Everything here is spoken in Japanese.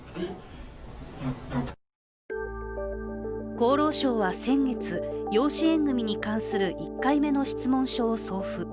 厚労省は先月、養子縁組に関する１回目の質問書を送付。